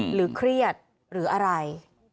หรือเครียดหรืออะไร